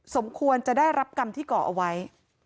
สมควรจะได้รับกรรมที่ก่อเอาไว้